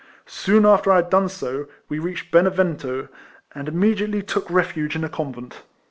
Soon after I had done so, we reached Benevento, and immediately took refuge in a convent.